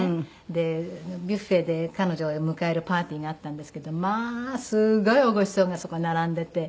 でビュッフェで彼女を迎えるパーティーがあったんですけどまあすごいごちそうがそこに並んでて。